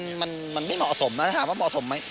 มันไม่เหมาะสมนะถ้าถามว่าเหมาะสมไหม